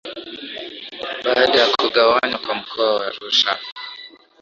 baada ya kugawanywa kwa Mkoa wa Arusha